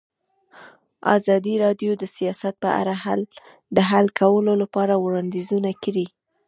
ازادي راډیو د سیاست په اړه د حل کولو لپاره وړاندیزونه کړي.